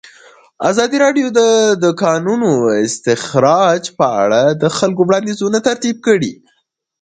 ازادي راډیو د د کانونو استخراج په اړه د خلکو وړاندیزونه ترتیب کړي.